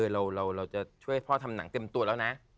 เราจะช่วยพ่อทำหนังเต็มตัวแล้วนะ